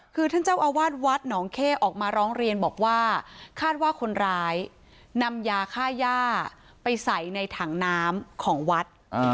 คือท่านเจ้าอาวาสวัดหนองเข้ออกมาร้องเรียนบอกว่าคาดว่าคนร้ายนำยาค่าย่าไปใส่ในถังน้ำของวัด